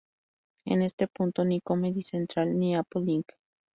En este punto, ni Comedy Central, ni Apple Inc.